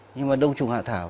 nhưng mà đông trùng hạ thảo